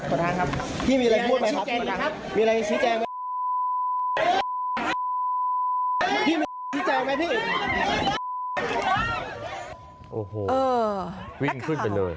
โอ้โหวิ่งขึ้นไปเลย